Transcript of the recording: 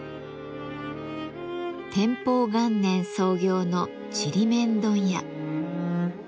天保元年創業のちりめん問屋。